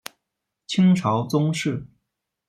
清朝宗室。